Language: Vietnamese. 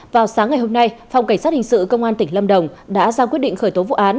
vào sáng ngày hôm nay phòng cảnh sát hình sự công an tỉnh lâm đồng đã ra quyết định khởi tố vụ án